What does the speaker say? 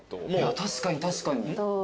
確かに確かに。